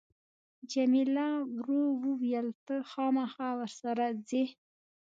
جميله ورو وویل ته خامخا ورسره ځې.